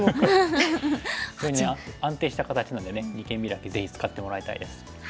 非常に安定した形なんでね二間ビラキぜひ使ってもらいたいです。